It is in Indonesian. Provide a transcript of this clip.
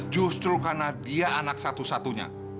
justru karena dia anak satu satunya